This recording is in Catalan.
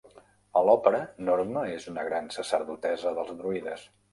A l'òpera, norma és una gran sacerdotessa dels druides.